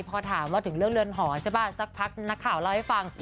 พอถามว่าถึงเรื่องเรือนหอใช่ป่ะสักพักนักข่าวเล่าให้ฟัง